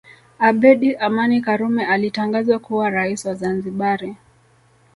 Abedi Amani Karume alitangazwa kuwa rais wa Zanzibari